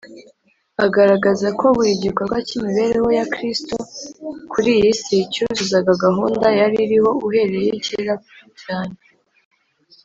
” agaragaza ko buri gikorwa cy’imibereho ya Kristo kuri iyi si cyuzuzaga gahunda yari iriho uhereye kera cyane